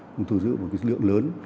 cũng thu giữ một cái lượng lớn